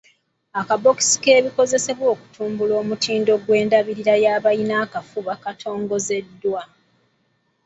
Akabookisi k'ebikozesebwa okutumbula ku mutindo gw'endabirira y'abalina akafuba katongozeddwa.